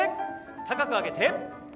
高く上げて。